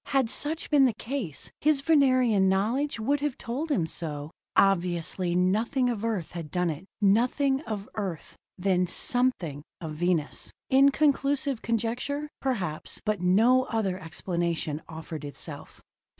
Had such been the case, his Venerian knowledge would have told him so. Obviously, nothing of Earth had done it, nothing of Earth then something of Venus! Inconclusive conjecture, perhaps, but no other explanation offered itself.